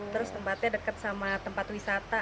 terus tempatnya dekat sama tempat wisata